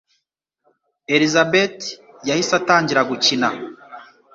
Elizabeth yahise atangira gukina.